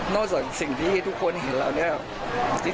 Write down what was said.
จากสิ่งที่ทุกคนเห็นแล้วเนี่ย